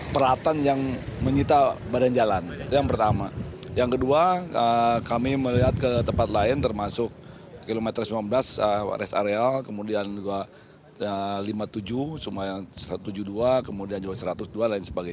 puncaknya akan terjadi pada hari minggu begitu putri